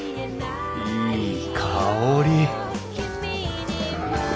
いい香り